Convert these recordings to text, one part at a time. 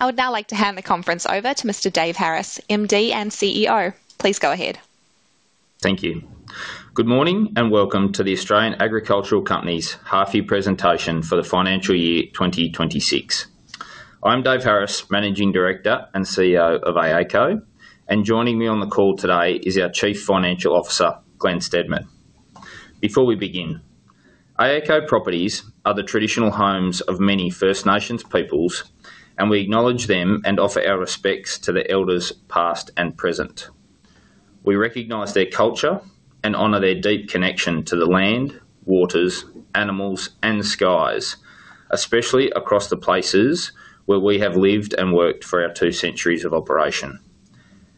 I would now like to hand the conference over to Mr. Dave Harris, MD and CEO. Please go ahead. Thank you. Good morning and welcome to the Australian Agricultural Company's half-year presentation for the financial year 2026. I'm Dave Harris, Managing Director and CEO of AACo, and joining me on the call today is our Chief Financial Officer, Glen Steedman. Before we begin, AACo properties are the traditional homes of many First Nations peoples, and we acknowledge them and offer our respects to their elders, past and present. We recognize their culture and honor their deep connection to the land, waters, animals, and skies, especially across the places where we have lived and worked for our two centuries of operation.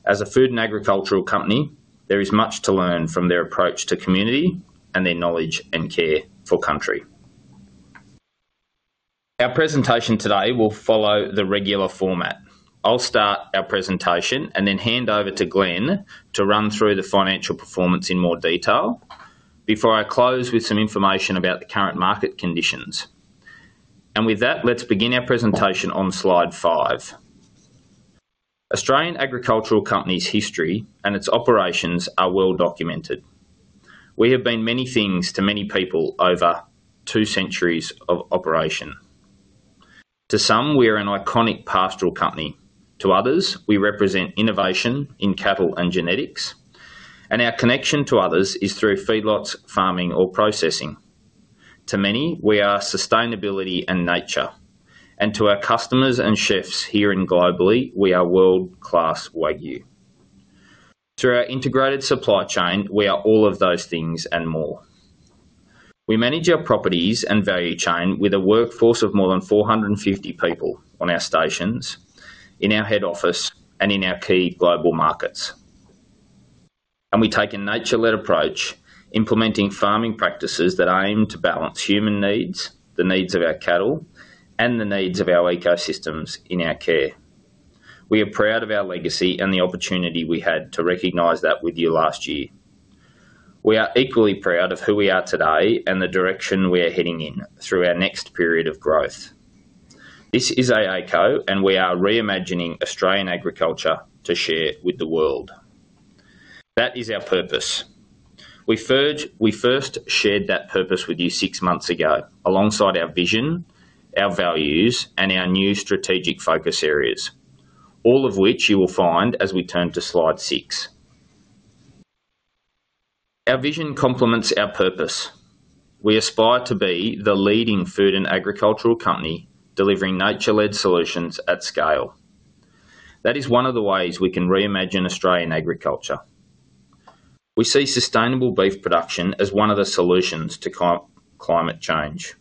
As a food and agricultural company, there is much to learn from their approach to community and their knowledge and care for country. Our presentation today will follow the regular format. I'll start our presentation and then hand over to Glen to run through the financial performance in more detail before I close with some information about the current market conditions. Let's begin our presentation on slide five. Australian Agricultural Company's history and its operations are well documented. We have been many things to many people over two centuries of operation. To some, we are an iconic pastoral company. To others, we represent innovation in cattle and genetics, and our connection to others is through feedlots, farming, or processing. To many, we are sustainability and nature. To our customers and chefs here and globally, we are world-class Wagyu. Through our integrated supply chain, we are all of those things and more. We manage our properties and value chain with a workforce of more than 450 people on our stations, in our head office, and in our key global markets. We take a nature-led approach, implementing farming practices that are aimed to balance human needs, the needs of our cattle, and the needs of our ecosystems in our care. We are proud of our legacy and the opportunity we had to recognize that with you last year. We are equally proud of who we are today and the direction we are heading in through our next period of growth. This is AACo, and we are reimagining Australian agriculture to share with the world. That is our purpose. We first shared that purpose with you six months ago alongside our vision, our values, and our new strategic focus areas, all of which you will find as we turn to slide six. Our vision complements our purpose. We aspire to be the leading food and agricultural company delivering nature-led solutions at scale. That is one of the ways we can reimagine Australian agriculture. We see sustainable beef production as one of the solutions to climate change,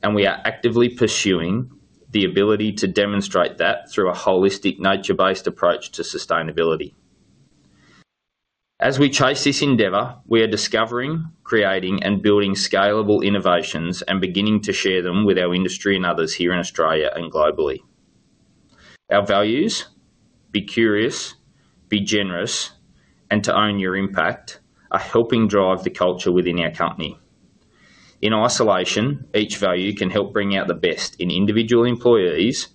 and we are actively pursuing the ability to demonstrate that through a holistic, nature-based approach to sustainability. As we chase this endeavour, we are discovering, creating, and building scalable innovations and beginning to share them with our industry and others here in Australia and globally. Our values—be curious, be generous, and to own your impact—are helping drive the culture within our company. In isolation, each value can help bring out the best in individual employees,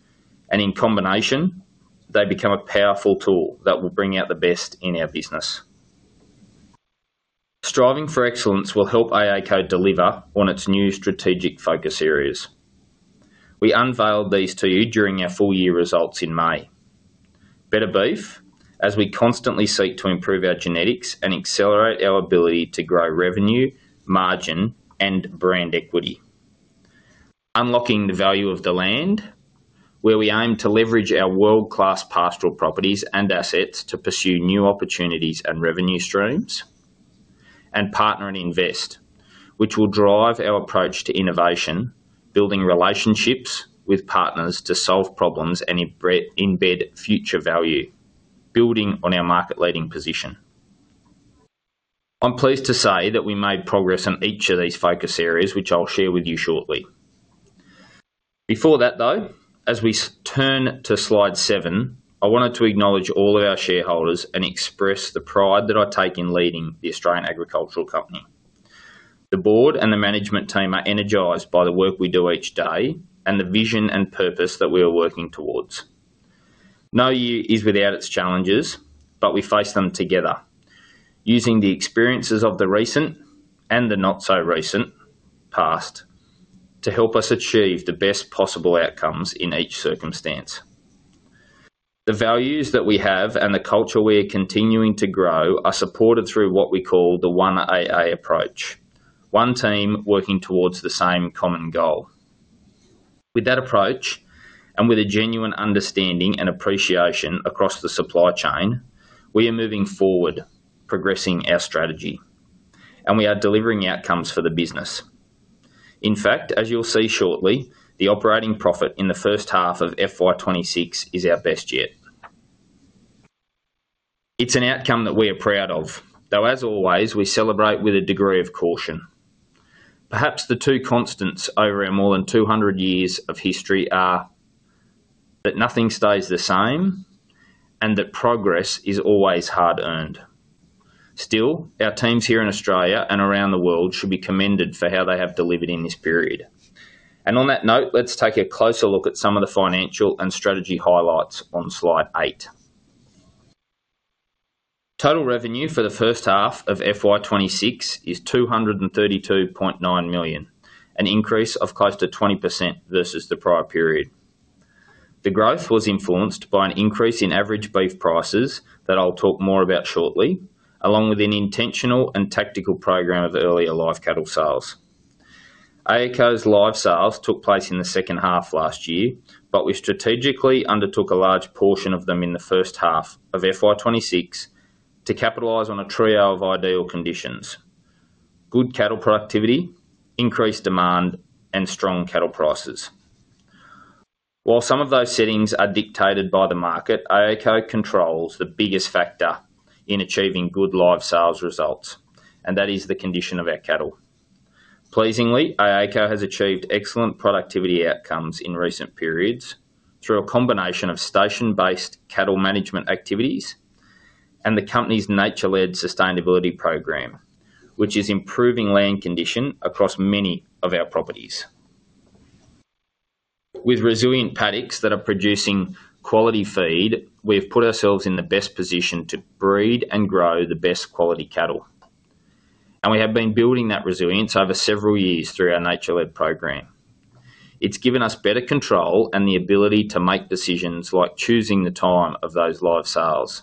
and in combination, they become a powerful tool that will bring out the best in our business. Striving for excellence will help AACo deliver on its new strategic focus areas. We unveiled these to you during our full-year results in May. Better Beef, as we constantly seek to improve our genetics and accelerate our ability to grow revenue, margin, and brand equity. Unlocking the Value of the Land, where we aim to leverage our world-class pastoral properties and assets to pursue new opportunities and revenue streams. Partner and Invest, which will drive our approach to innovation, building relationships with partners to solve problems and embed future value, building on our market-leading position. I'm pleased to say that we made progress on each of these focus areas, which I'll share with you shortly. Before that, though, as we turn to slide seven, I wanted to acknowledge all of our shareholders and express the pride that I take in leading the Australian Agricultural Company. The board and the management team are energized by the work we do each day and the vision and purpose that we are working towards. No year is without its challenges, but we face them together, using the experiences of the recent and the not-so-recent past to help us achieve the best possible outcomes in each circumstance. The values that we have and the culture we are continuing to grow are supported through what we call the 1AA approach, one team working towards the same common goal. With that approach and with a genuine understanding and appreciation across the supply chain, we are moving forward, progressing our strategy, and we are delivering outcomes for the business. In fact, as you'll see shortly, the operating profit in the first half of FY 2026 is our best yet. It's an outcome that we are proud of, though, as always, we celebrate with a degree of caution. Perhaps the two constants over our more than 200 years of history are that nothing stays the same and that progress is always hard-earned. Still, our teams here in Australia and around the world should be commended for how they have delivered in this period. On that note, let's take a closer look at some of the financial and strategy highlights on slide eight. Total revenue for the first half of FY 2026 is 232.9 million, an increase of close to 20% versus the prior period. The growth was influenced by an increase in average beef prices that I'll talk more about shortly, along with an intentional and tactical program of earlier live cattle sales. AACo's live sales took place in the second half last year, but we strategically undertook a large portion of them in the first half of FY 2026 to capitalize on a trio of ideal conditions: good cattle productivity, increased demand, and strong cattle prices. While some of those settings are dictated by the market, AACo controls the biggest factor in achieving good live sales results, and that is the condition of our cattle. Pleasingly, AACo has achieved excellent productivity outcomes in recent periods through a combination of station-based cattle management activities and the company's nature-led sustainability program, which is improving land condition across many of our properties. With resilient paddocks that are producing quality feed, we have put ourselves in the best position to breed and grow the best quality cattle. We have been building that resilience over several years through our nature-led program. It's given us better control and the ability to make decisions like choosing the time of those live sales,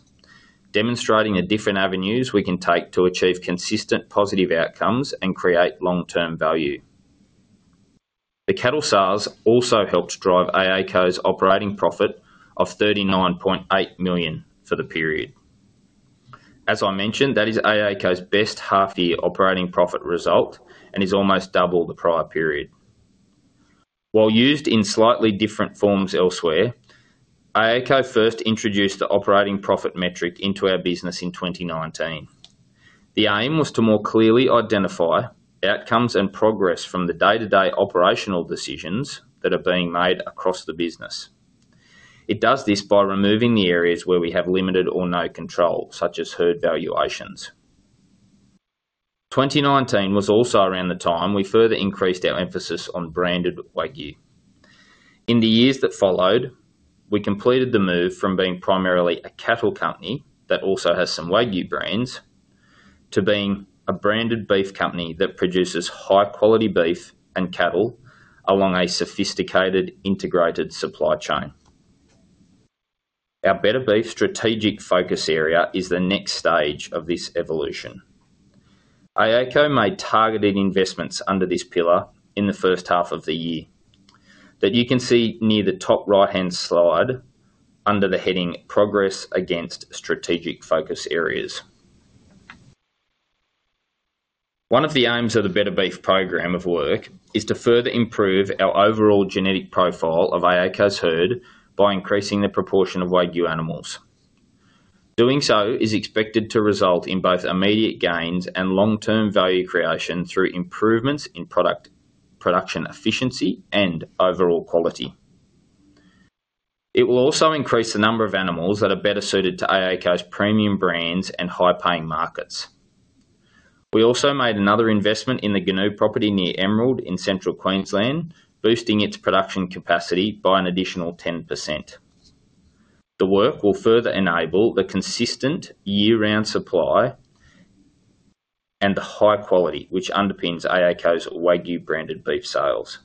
demonstrating the different avenues we can take to achieve consistent positive outcomes and create long-term value. The cattle sales also helped drive AACo's operating profit of 39.8 million for the period. As I mentioned, that is AACo's best half-year operating profit result and is almost double the prior period. While used in slightly different forms elsewhere, AACo first introduced the operating profit metric into our business in 2019. The aim was to more clearly identify outcomes and progress from the day-to-day operational decisions that are being made across the business. It does this by removing the areas where we have limited or no control, such as herd valuations. 2019 was also around the time we further increased our emphasis on branded Wagyu. In the years that followed, we completed the move from being primarily a cattle company that also has some Wagyu brands to being a branded beef company that produces high-quality beef and cattle along a sophisticated integrated supply chain. Our Better Beef strategic focus area is the next stage of this evolution. AACo made targeted investments under this pillar in the first half of the year that you can see near the top right-hand slide under the heading Progress Against Strategic Focus Areas. One of the aims of the Better Beef program of work is to further improve our overall genetic profile of AACo's herd by increasing the proportion of Wagyu animals. Doing so is expected to result in both immediate gains and long-term value creation through improvements in production efficiency and overall quality. It will also increase the number of animals that are better suited to AACo's premium brands and high-paying markets. We also made another investment in the Goonoo property near Emerald in central Queensland, boosting its production capacity by an additional 10%. The work will further enable the consistent year-round supply and the high quality, which underpins AACo's Wagyu branded beef sales.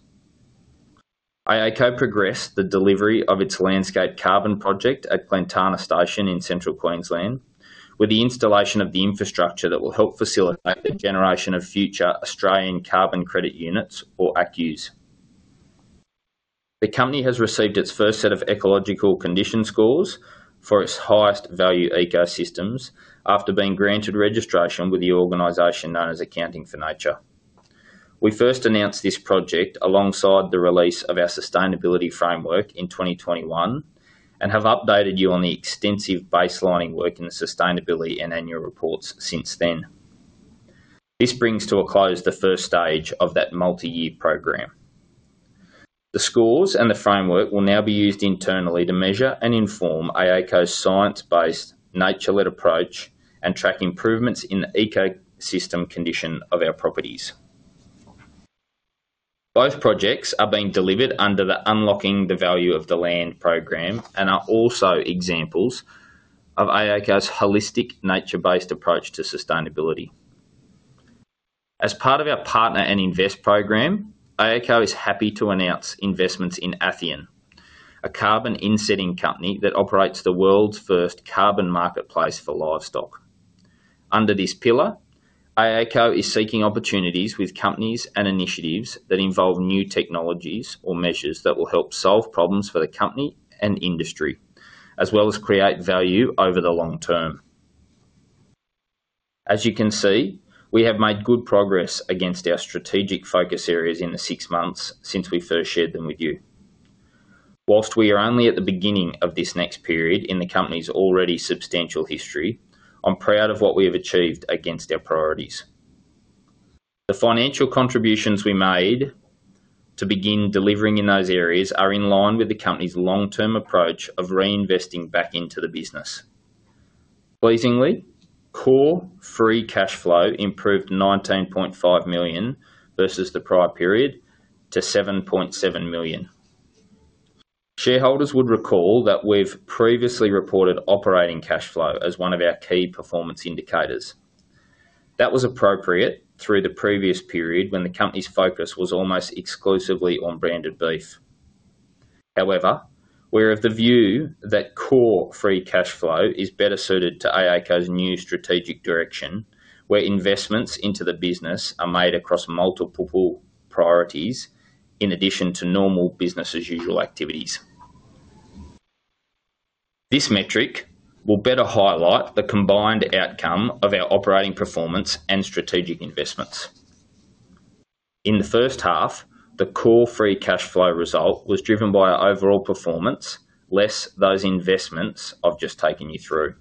AACo progressed the delivery of its landscape carbon project at Glentana Station in central Queensland with the installation of the infrastructure that will help facilitate the generation of future Australian carbon credit units, or ACCUs. The company has received its first set of ecological condition scores for its highest value ecosystems after being granted registration with the organization known as Accounting for Nature. We first announced this project alongside the release of our sustainability framework in 2021 and have updated you on the extensive baselining work in the sustainability and annual reports since then. This brings to a close the first stage of that multi-year program. The scores and the framework will now be used internally to measure and inform AACo's science-based nature-led approach and track improvements in the ecosystem condition of our properties. Both projects are being delivered under the Unlocking the Value of the Land program and are also examples of AACo's holistic nature-based approach to sustainability. As part of our Partner and Invest program, AACo is happy to announce investments in Athian, a carbon insetting company that operates the world's first carbon marketplace for livestock. Under this pillar, AACo is seeking opportunities with companies and initiatives that involve new technologies or measures that will help solve problems for the company and industry, as well as create value over the long term. As you can see, we have made good progress against our strategic focus areas in the six months since we first shared them with you. Whilst we are only at the beginning of this next period in the company's already substantial history, I'm proud of what we have achieved against our priorities. The financial contributions we made to begin delivering in those areas are in line with the company's long-term approach of reinvesting back into the business. Pleasingly, core free cash flow improved 19.5 million versus the prior period to 7.7 million. Shareholders would recall that we've previously reported operating cash flow as one of our key performance indicators. That was appropriate through the previous period when the company's focus was almost exclusively on branded beef. However, we're of the view that core free cash flow is better suited to AACo's new strategic direction, where investments into the business are made across multiple priorities in addition to normal business-as-usual activities. This metric will better highlight the combined outcome of our operating performance and strategic investments. In the first half, the core free cash flow result was driven by our overall performance less those investments I've just taken you through.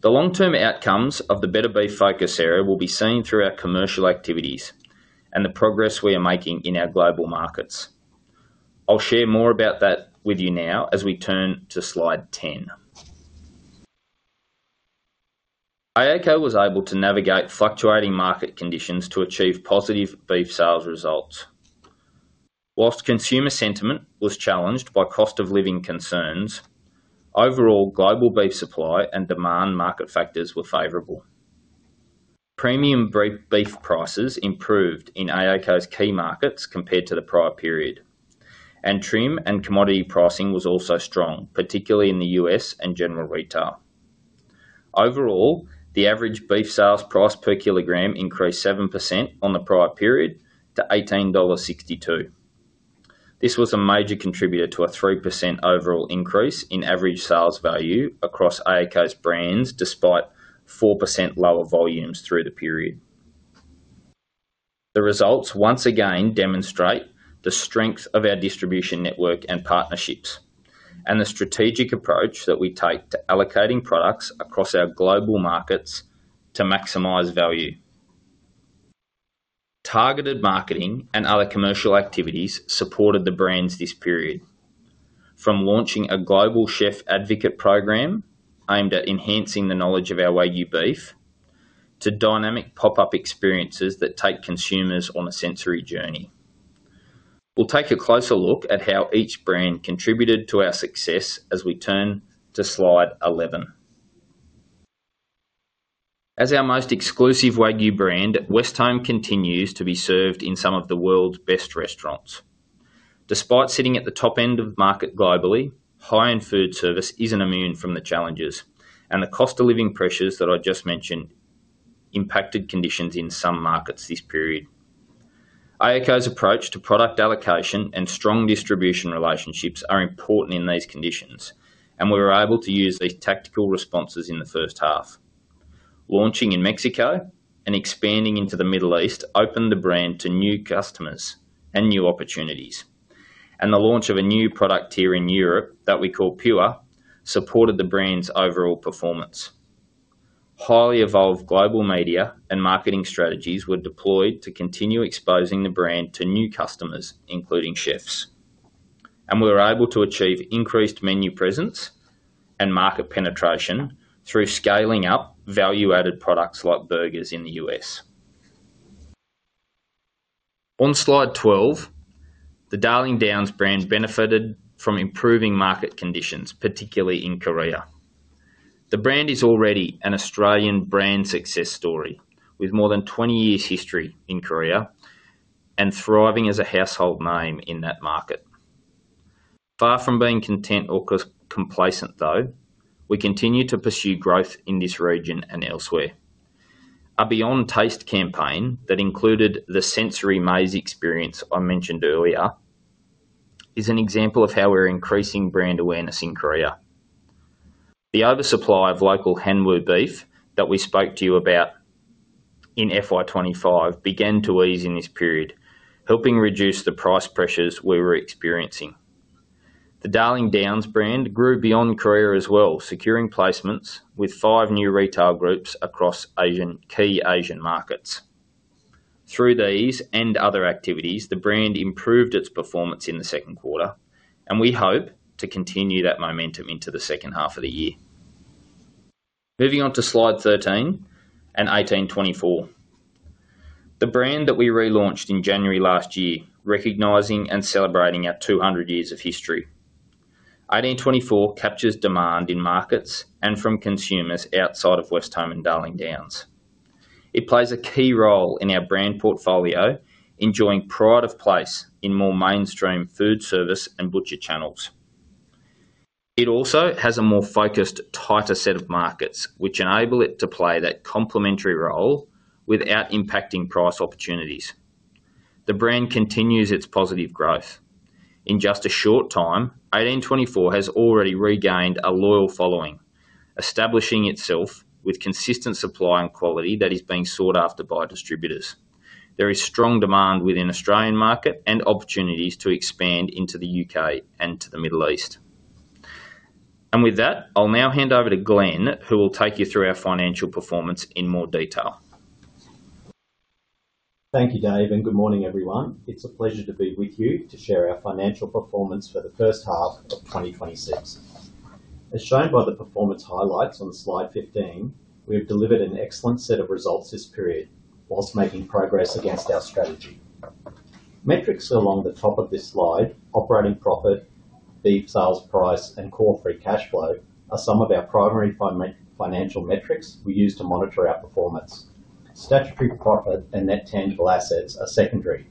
The long-term outcomes of the Better Beef focus area will be seen through our commercial activities and the progress we are making in our global markets. I'll share more about that with you now as we turn to slide 10. AACo was able to navigate fluctuating market conditions to achieve positive beef sales results. Whilst consumer sentiment was challenged by cost-of-living concerns, overall global beef supply and demand market factors were favourable. Premium beef prices improved in AACo's key markets compared to the prior period, and trim and commodity pricing was also strong, particularly in the U.S. and general retail. Overall, the average beef sales price per kilogram increased 7% on the prior period to 18.62 dollars. This was a major contributor to a 3% overall increase in average sales value across AACo's brands despite 4% lower volumes through the period. The results once again demonstrate the strength of our distribution network and partnerships and the strategic approach that we take to allocating products across our global markets to maximise value. Targeted marketing and other commercial activities supported the brands this period, from launching a global chef advocate program aimed at enhancing the knowledge of our Wagyu beef to dynamic pop-up experiences that take consumers on a sensory journey. We will take a closer look at how each brand contributed to our success as we turn to slide 11. As our most exclusive Wagyu brand, West Home continues to be served in some of the world's best restaurants. Despite sitting at the top end of the market globally, high-end food service is not immune from the challenges, and the cost-of-living pressures that I just mentioned impacted conditions in some markets this period. AACo's approach to product allocation and strong distribution relationships are important in these conditions, and we were able to use these tactical responses in the first half. Launching in Mexico and expanding into the Middle East opened the brand to new customers and new opportunities, and the launch of a new product here in Europe that we call PUA supported the brand's overall performance. Highly evolved global media and marketing strategies were deployed to continue exposing the brand to new customers, including chefs, and we were able to achieve increased menu presence and market penetration through scaling up value-added products like burgers in the U.S. On slide 12, the Darling Downs brand benefited from improving market conditions, particularly in Korea. The brand is already an Australian brand success story with more than 20 years' history in Korea and thriving as a household name in that market. Far from being content or complacent, though, we continue to pursue growth in this region and elsewhere. A Beyond Taste campaign that included the Sensory Maze experience I mentioned earlier is an example of how we're increasing brand awareness in Korea. The oversupply of local Hanwoo beef that we spoke to you about in FY 2025 began to ease in this period, helping reduce the price pressures we were experiencing. The Darling Downs brand grew beyond Korea as well, securing placements with five new retail groups across key Asian markets. Through these and other activities, the brand improved its performance in the second quarter, and we hope to continue that momentum into the second half of the year. Moving on to slide 13 and 1824. The brand that we relaunched in January last year, recognizing and celebrating our 200 years of history. 1824 captures demand in markets and from consumers outside of West Home and Darling Downs. It plays a key role in our brand portfolio, enjoying pride of place in more mainstream food service and butcher channels. It also has a more focused, tighter set of markets, which enable it to play that complementary role without impacting price opportunities. The brand continues its positive growth. In just a short time, 1824 has already regained a loyal following, establishing itself with consistent supply and quality that is being sought after by distributors. There is strong demand within the Australian market and opportunities to expand into the U.K. and to the Middle East. With that, I'll now hand over to Glen, who will take you through our financial performance in more detail. Thank you, Dave, and good morning, everyone. It's a pleasure to be with you to share our financial performance for the first half of 2026. As shown by the performance highlights on slide 15, we have delivered an excellent set of results this period whilst making progress against our strategy. Metrics along the top of this slide, operating profit, beef sales price, and core free cash flow, are some of our primary financial metrics we use to monitor our performance. Statutory profit and net tangible assets are secondary,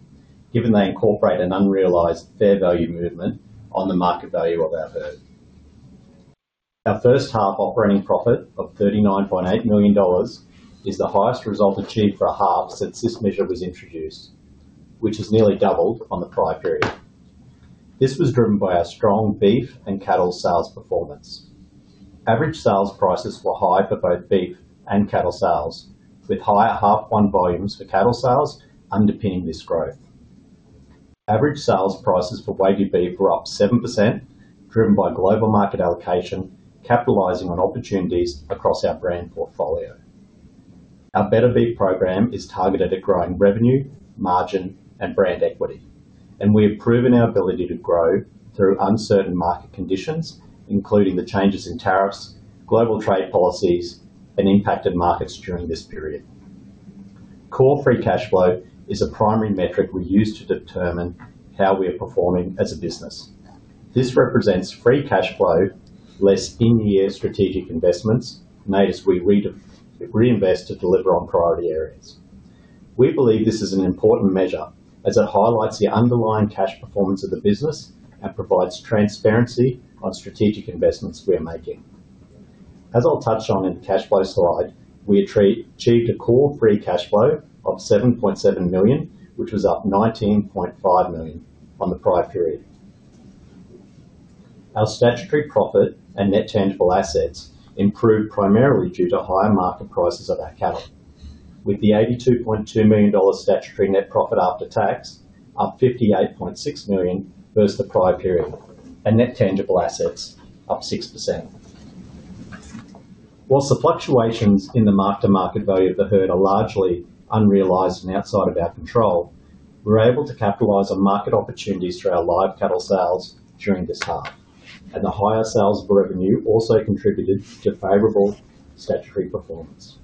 given they incorporate an unrealized fair value movement on the market value of our herd. Our first half operating profit of 39.8 million dollars is the highest result achieved for a half since this measure was introduced, which is nearly doubled on the prior period. This was driven by our strong beef and cattle sales performance. Average sales prices were high for both beef and cattle sales, with higher half-one volumes for cattle sales underpinning this growth. Average sales prices for Wagyu beef were up 7%, driven by global market allocation, capitalizing on opportunities across our brand portfolio. Our Better Beef program is targeted at growing revenue, margin, and brand equity, and we have proven our ability to grow through uncertain market conditions, including the changes in tariffs, global trade policies, and impacted markets during this period. Core free cash flow is a primary metric we use to determine how we are performing as a business. This represents free cash flow less in-year strategic investments made as we reinvest to deliver on priority areas. We believe this is an important measure as it highlights the underlying cash performance of the business and provides transparency on strategic investments we are making. As I'll touch on in the cash flow slide, we achieved a core free cash flow of 7.7 million, which was up 19.5 million on the prior period. Our statutory profit and net tangible assets improved primarily due to higher market prices of our cattle, with the 82.2 million dollar statutory net profit after tax up 58.6 million versus the prior period and net tangible assets up 6%. Whilst the fluctuations in the mark-to-market value of the herd are largely unrealized and outside of our control, we were able to capitalize on market opportunities through our live cattle sales during this half, and the higher sales of revenue also contributed to favorable statutory performance.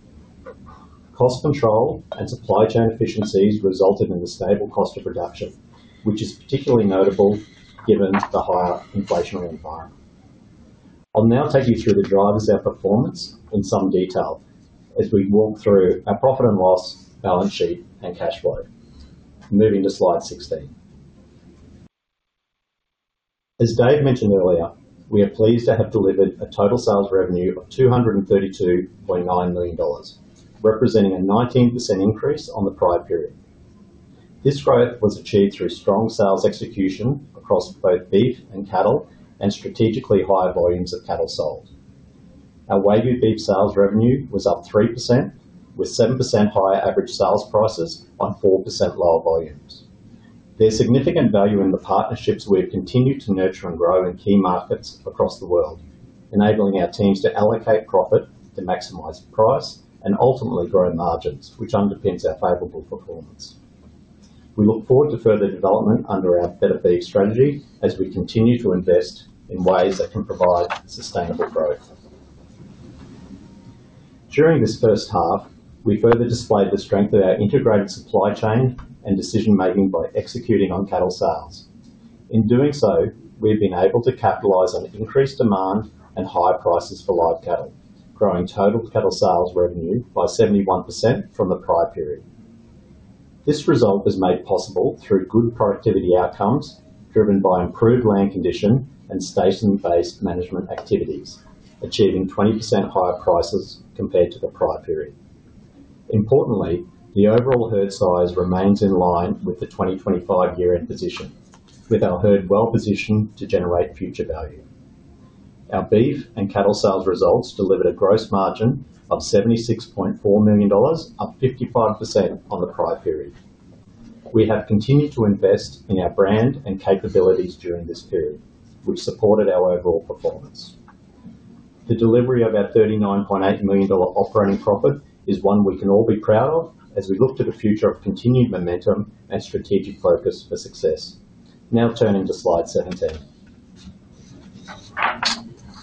Cost control and supply chain efficiencies resulted in a stable cost of production, which is particularly notable given the higher inflationary environment. I'll now take you through the drivers of our performance in some detail as we walk through our profit and loss balance sheet and cash flow. Moving to slide 16. As Dave mentioned earlier, we are pleased to have delivered a total sales revenue of 232.9 million dollars, representing a 19% increase on the prior period. This growth was achieved through strong sales execution across both beef and cattle and strategically high volumes of cattle sold. Our Wagyu beef sales revenue was up 3%, with 7% higher average sales prices on 4% lower volumes. There's significant value in the partnerships we have continued to nurture and grow in key markets across the world, enabling our teams to allocate profit to maximise price and ultimately grow margins, which underpins our favorable performance. We look forward to further development under our Better Beef strategy as we continue to invest in ways that can provide sustainable growth. During this first half, we further displayed the strength of our integrated supply chain and decision-making by executing on cattle sales. In doing so, we have been able to capitalize on increased demand and high prices for live cattle, growing total cattle sales revenue by 71% from the prior period. This result was made possible through good productivity outcomes driven by improved land condition and station-based management activities, achieving 20% higher prices compared to the prior period. Importantly, the overall herd size remains in line with the 2025 year-end position, with our herd well-positioned to generate future value. Our beef and cattle sales results delivered a gross margin of 76.4 million dollars, up 55% on the prior period. We have continued to invest in our brand and capabilities during this period, which supported our overall performance. The delivery of our 39.8 million dollar operating profit is one we can all be proud of as we look to the future of continued momentum and strategic focus for success. Now turning to slide 17.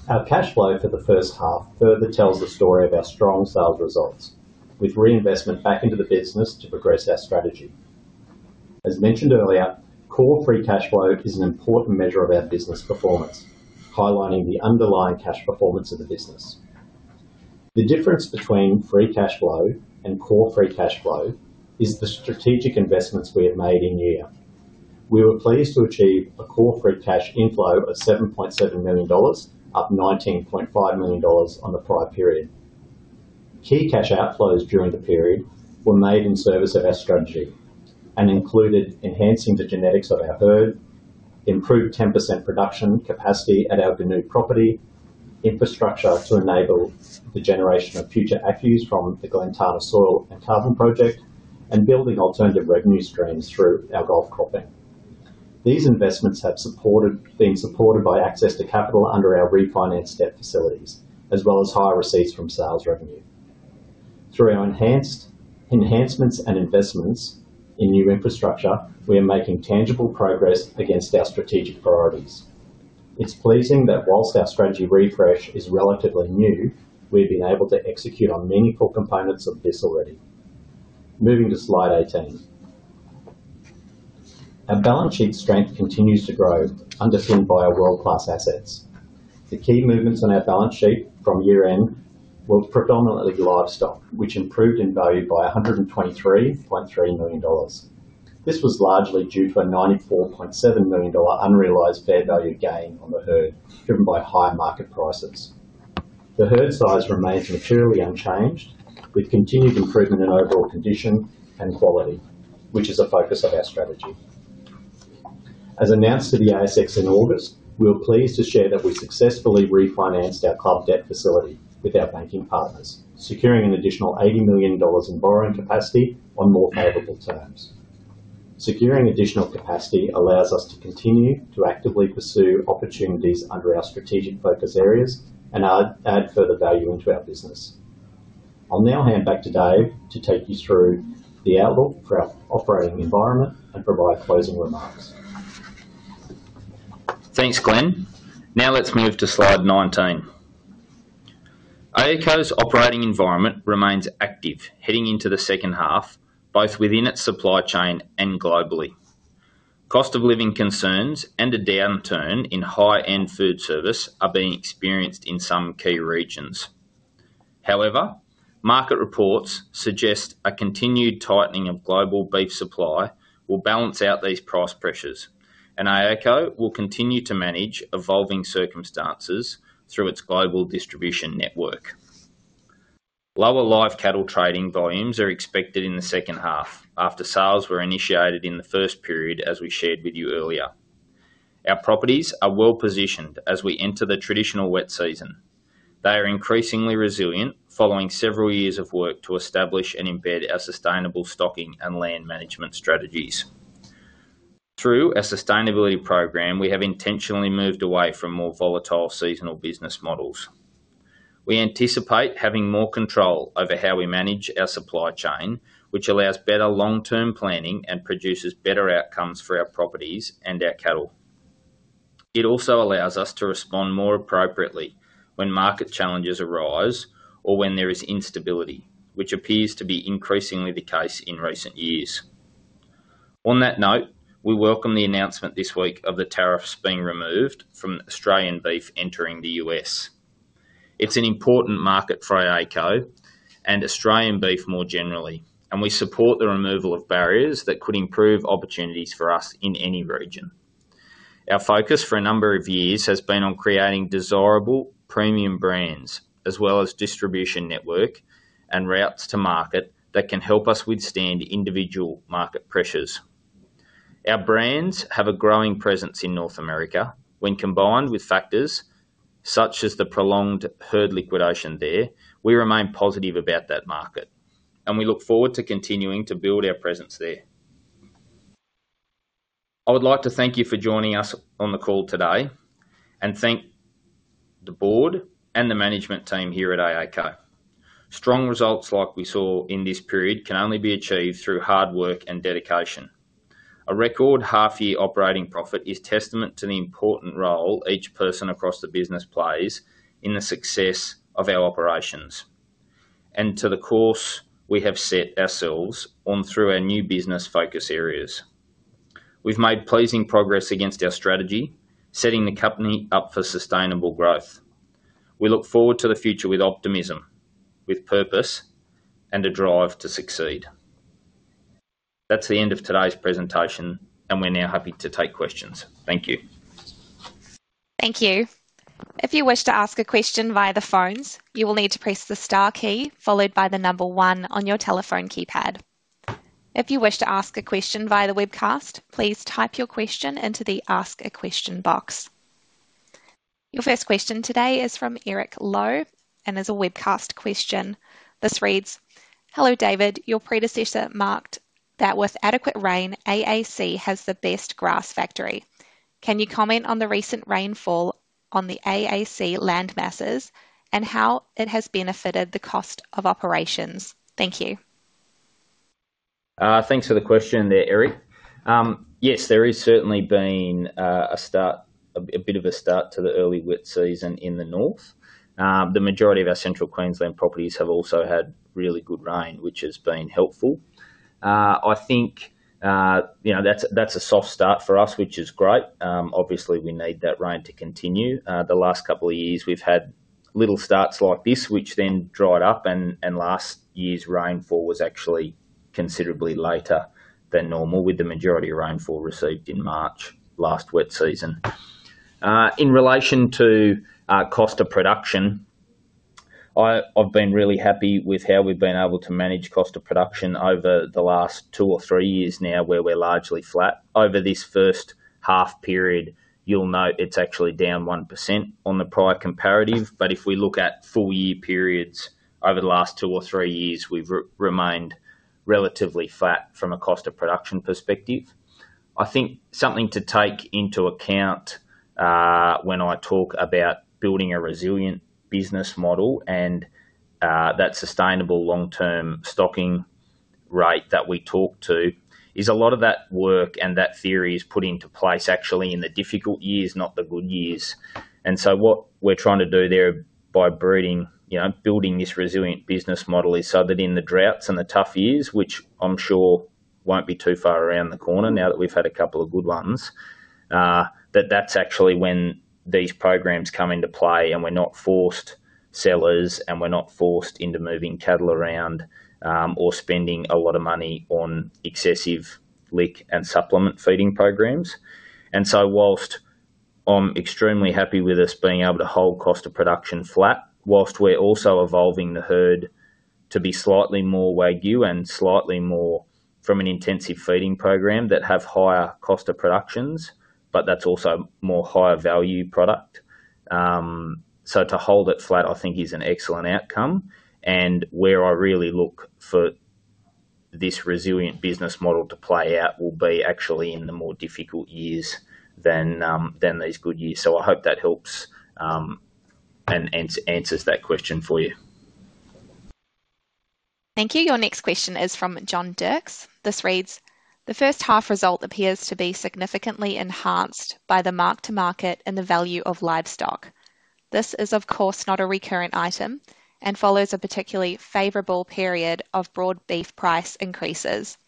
Our cash flow for the first half further tells the story of our strong sales results, with reinvestment back into the business to progress our strategy. As mentioned earlier, core free cash flow is an important measure of our business performance, highlighting the underlying cash performance of the business. The difference between free cash flow and core free cash flow is the strategic investments we have made in year. We were pleased to achieve a core free cash inflow of 7.7 million dollars, up 19.5 million dollars on the prior period. Key cash outflows during the period were made in service of our strategy and included enhancing the genetics of our herd, improved 10% production capacity at our Goonoo property, infrastructure to enable the generation of future ACCUs from the Glentana soil and carbon project, and building alternative revenue streams through our gulf cropping. These investments have been supported by access to capital under our refinanced debt facilities, as well as higher receipts from sales revenue. Through our enhancements and investments in new infrastructure, we are making tangible progress against our strategic priorities. It's pleasing that whilst our strategy refresh is relatively new, we have been able to execute on meaningful components of this already. Moving to slide 18. Our balance sheet strength continues to grow, underpinned by our world-class assets. The key movements on our balance sheet from year-end were predominantly livestock, which improved in value by 123.3 million dollars. This was largely due to a 94.7 million dollar unrealized fair value gain on the herd, driven by high market prices. The herd size remains materially unchanged, with continued improvement in overall condition and quality, which is a focus of our strategy. As announced to the ASX in August, we were pleased to share that we successfully refinanced our club debt facility with our banking partners, securing an additional 80 million dollars in borrowing capacity on more favorable terms. Securing additional capacity allows us to continue to actively pursue opportunities under our strategic focus areas and add further value into our business. I'll now hand back to Dave to take you through the outlook for our operating environment and provide closing remarks. Thanks, Glen. Now let's move to slide 19. AACo's operating environment remains active heading into the second half, both within its supply chain and globally. Cost of living concerns and a downturn in high-end food service are being experienced in some key regions. However, market reports suggest a continued tightening of global beef supply will balance out these price pressures, and AACo will continue to manage evolving circumstances through its global distribution network. Lower live cattle trading volumes are expected in the second half after sales were initiated in the first period, as we shared with you earlier. Our properties are well-positioned as we enter the traditional wet season. They are increasingly resilient, following several years of work to establish and embed our sustainable stocking and land management strategies. Through our sustainability program, we have intentionally moved away from more volatile seasonal business models. We anticipate having more control over how we manage our supply chain, which allows better long-term planning and produces better outcomes for our properties and our cattle. It also allows us to respond more appropriately when market challenges arise or when there is instability, which appears to be increasingly the case in recent years. On that note, we welcome the announcement this week of the tariffs being removed from Australian beef entering the US. It's an important market for AACo and Australian beef more generally, and we support the removal of barriers that could improve opportunities for us in any region. Our focus for a number of years has been on creating desirable premium brands, as well as distribution network and routes to market that can help us withstand individual market pressures. Our brands have a growing presence in North America. When combined with factors such as the prolonged herd liquidation there, we remain positive about that market, and we look forward to continuing to build our presence there. I would like to thank you for joining us on the call today and thank the board and the management team here at AACo. Strong results like we saw in this period can only be achieved through hard work and dedication. A record half-year operating profit is testament to the important role each person across the business plays in the success of our operations and to the course we have set ourselves on through our new business focus areas. We've made pleasing progress against our strategy, setting the company up for sustainable growth. We look forward to the future with optimism, with purpose, and a drive to succeed. That's the end of today's presentation, and we're now happy to take questions. Thank you. Thank you. If you wish to ask a question via the phones, you will need to press the star key followed by the number one on your telephone keypad. If you wish to ask a question via the webcast, please type your question into the ask a question box. Your first question today is from Eric Lowe and is a webcast question. This reads, "Hello David, your predecessor marked that with adequate rain, AACo has the best grass factory. Can you comment on the recent rainfall on the AACo land masses and how it has benefited the cost of operations?" Thank you. Thanks for the question there, Eric. Yes, there has certainly been a start, a bit of a start to the early wet season in the north. The majority of our central Queensland properties have also had really good rain, which has been helpful. I think that's a soft start for us, which is great. Obviously, we need that rain to continue. The last couple of years, we've had little starts like this, which then dried up, and last year's rainfall was actually considerably later than normal, with the majority of rainfall received in March last wet season. In relation to cost of production, I've been really happy with how we've been able to manage cost of production over the last two or three years now, where we're largely flat. Over this first half period, you'll note it's actually down 1% on the prior comparative, but if we look at full-year periods over the last two or three years, we've remained relatively flat from a cost of production perspective. I think something to take into account when I talk about building a resilient business model and that sustainable long-term stocking rate that we talk to is a lot of that work and that theory is put into place actually in the difficult years, not the good years. What we're trying to do there by breeding, building this resilient business model is so that in the droughts and the tough years, which I'm sure will not be too far around the corner now that we've had a couple of good ones, that's actually when these programs come into play and we're not forced sellers and we're not forced into moving cattle around or spending a lot of money on excessive lick and supplement feeding programs. Whilst I'm extremely happy with us being able to hold cost of production flat, whilst we're also evolving the herd to be slightly more Wagyu and slightly more from an intensive feeding program that have higher cost of productions, but that's also more higher value product. To hold it flat, I think, is an excellent outcome. Where I really look for this resilient business model to play out will be actually in the more difficult years than these good years. I hope that helps and answers that question for you. Thank you. Your next question is from John Dirks. This reads, "The first half result appears to be significantly enhanced by the mark-to-market and the value of livestock. This is, of course, not a recurrent item and follows a particularly favorable period of broad beef price increases.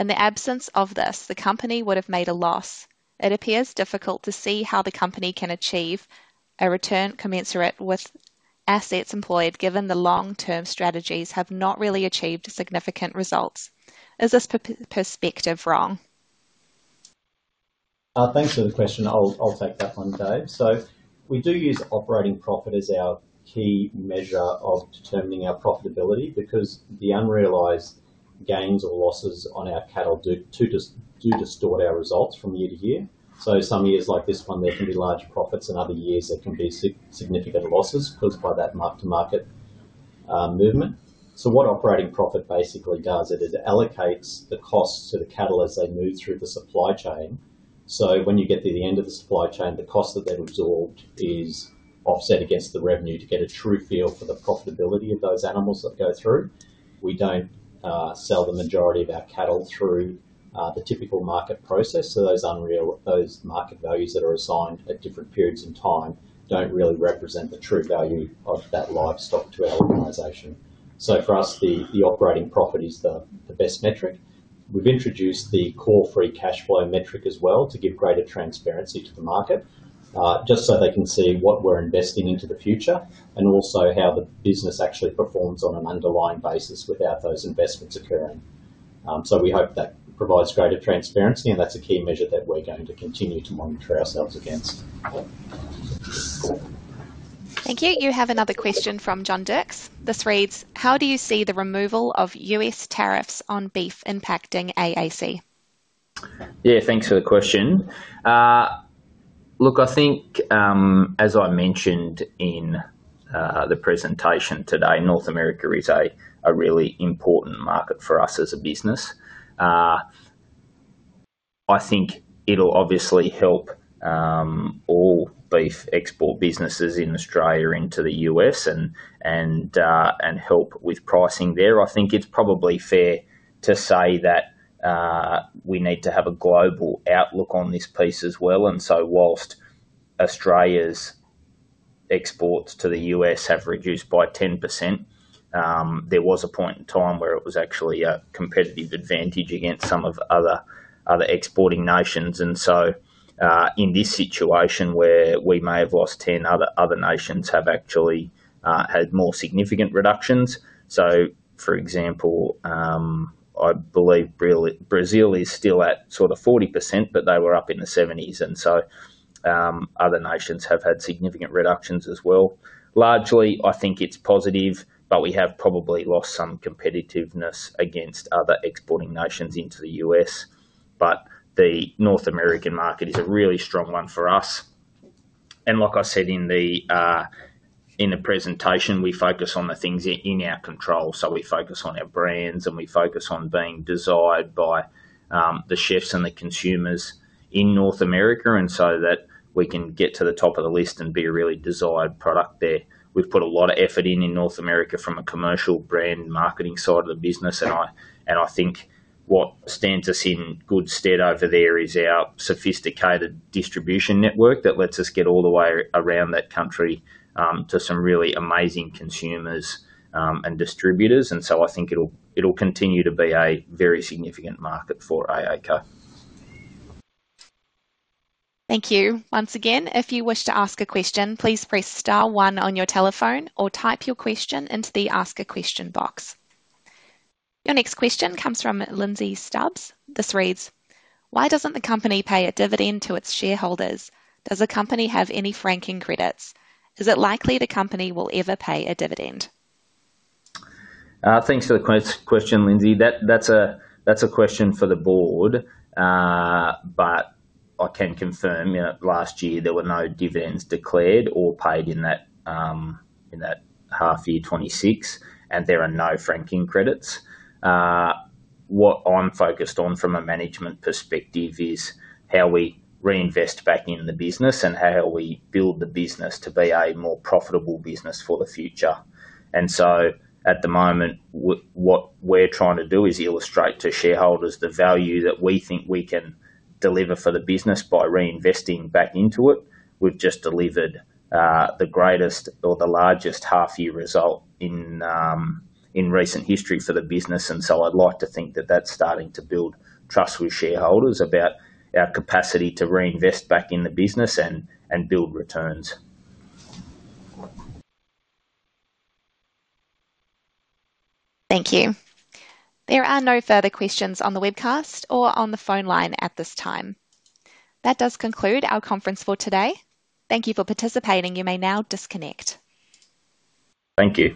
In the absence of this, the company would have made a loss. It appears difficult to see how the company can achieve a return commensurate with assets employed given the long-term strategies have not really achieved significant results. Is this perspective wrong? Thanks for the question. I'll take that one, Dave. We do use operating profit as our key measure of determining our profitability because the unrealized gains or losses on our cattle do distort our results from year to year. Some years like this one, there can be large profits, and other years there can be significant losses caused by that mark-to-market movement. What operating profit basically does is it allocates the costs to the cattle as they move through the supply chain. When you get to the end of the supply chain, the cost that they've absorbed is offset against the revenue to get a true feel for the profitability of those animals that go through. We don't sell the majority of our cattle through the typical market process, so those market values that are assigned at different periods in time don't really represent the true value of that livestock to our organization. For us, the operating profit is the best metric. We've introduced the core free cash flow metric as well to give greater transparency to the market, just so they can see what we're investing into the future and also how the business actually performs on an underlying basis without those investments occurring. We hope that provides greater transparency, and that's a key measure that we're going to continue to monitor ourselves against. Thank you. You have another question from John Dirks. This reads, "How do you see the removal of U.S. tariffs on beef impacting AACo?" Yeah, thanks for the question. Look, I think, as I mentioned in the presentation today, North America is a really important market for us as a business. I think it'll obviously help all beef export businesses in Australia into the U.S. and help with pricing there. I think it's probably fair to say that we need to have a global outlook on this piece as well. Whilst Australia's exports to the U.S. have reduced by 10%, there was a point in time where it was actually a competitive advantage against some of the other exporting nations. In this situation where we may have lost 10, other nations have actually had more significant reductions. For example, I believe Brazil is still at sort of 40%, but they were up in the 70%. Other nations have had significant reductions as well. Largely, I think it's positive, but we have probably lost some competitiveness against other exporting nations into the U.S. The North American market is a really strong one for us. Like I said in the presentation, we focus on the things in our control. We focus on our brands, and we focus on being desired by the chefs and the consumers in North America so that we can get to the top of the list and be a really desired product there. We've put a lot of effort in North America from a commercial brand marketing side of the business. I think what stands us in good stead over there is our sophisticated distribution network that lets us get all the way around that country to some really amazing consumers and distributors. I think it'll continue to be a very significant market for AACo. Thank you. Once again, if you wish to ask a question, please press star one on your telephone or type your question into the ask a question box. Your next question comes from Lindsay Stubbs. This reads, "Why doesn't the company pay a dividend to its shareholders? Does the company have any franking credits? Is it likely the company will ever pay a dividend?" Thanks for the question, Lindsay. That's a question for the board, but I can confirm last year there were no dividends declared or paid in that half year, 2026, and there are no franking credits. What I'm focused on from a management perspective is how we reinvest back in the business and how we build the business to be a more profitable business for the future. At the moment, what we're trying to do is illustrate to shareholders the value that we think we can deliver for the business by reinvesting back into it. We've just delivered the greatest or the largest half-year result in recent history for the business. I'd like to think that that's starting to build trust with shareholders about our capacity to reinvest back in the business and build returns. Thank you. There are no further questions on the webcast or on the phone line at this time. That does conclude our conference for today. Thank you for participating. You may now disconnect. Thank you.